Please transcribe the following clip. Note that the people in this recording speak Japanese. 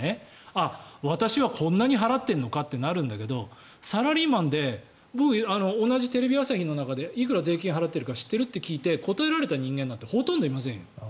あ、私はこんなに払っているのかってなるんだけどサラリーマンで僕、同じテレビ朝日の中でいくら税金払っているか知ってる？って聞いて答えられた人間なんてほとんどいませんよ。